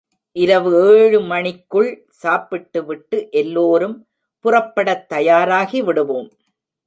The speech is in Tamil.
இரவு ஏழு மணிக்குள் சாப்பிட்டுவிட்டு எல்லோரும் புறப்படத் தயாராகி விடுவோம்.